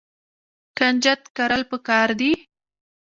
کنجد کرل پکار دي.